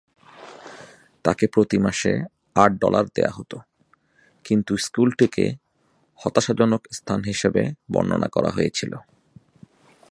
তাকে প্রতি মাসে আট ডলার দেওয়া হতো, কিন্তু স্কুলটিকে "হতাশাজনক স্থান" হিসেবে বর্ণনা করা হয়েছিল।